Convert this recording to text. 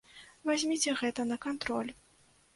Вазьміце гэта на кантроль.